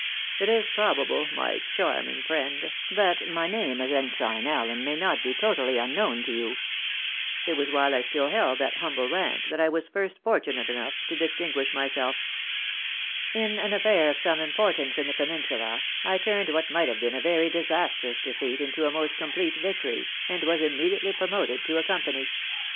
It is probable, my charming friend, that my name as Ensign Allen may not he totally unknown to you It was vA\\\fc Y *>X\ V3&. *^a^ humble rank, that I was first fort\inate enovigfc \» &y3&ym8»£&> o 3 198 THE WIDOW BARN'ABV. myself. In an affair of some importance in the Peninsula, I turned what might have been a very disastrous defeat into i most complete victory, and was immediately promoted to a company.